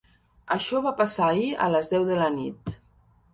Això va passar ahir a les deu de la nit.